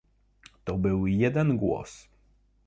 to był jeden głos